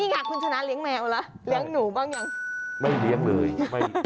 นี่ค่ะคุณชนะเลี้ยงแมวแล้วเลี้ยงหนูบ้างยัง